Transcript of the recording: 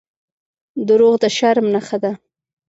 • دروغ د شرم نښه ده.